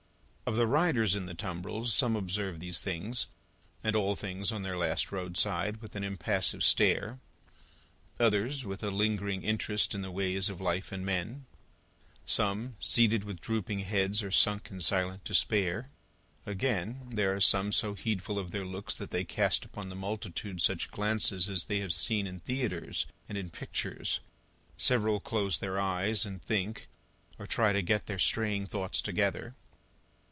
Of the riders in the tumbrils, some observe these things, and all things on their last roadside, with an impassive stare; others, with a lingering interest in the ways of life and men. Some, seated with drooping heads, are sunk in silent despair; again, there are some so heedful of their looks that they cast upon the multitude such glances as they have seen in theatres, and in pictures. Several close their eyes, and think, or try to get their straying thoughts together.